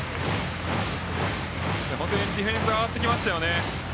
確実にディフェンス上がってきました。